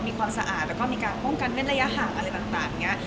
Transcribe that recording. ความสะอาดแล้วก็มีการป้องกันเว้นระยะห่างอะไรต่างอย่างนี้